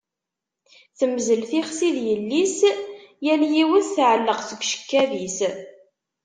Temmzel tixsi d yelli-s, yal yiwet tɛelleq seg ucekkab-is.